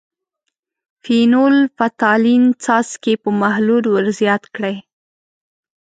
فینول – فتالین څاڅکي په محلول ور زیات کړئ.